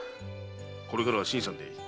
これからは「新さん」でいい。